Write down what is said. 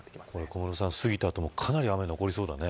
小室さん、過ぎた後もかなり雨が残りそうだね。